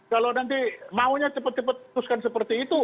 kalau nanti maunya cepat cepat putuskan seperti itu tidak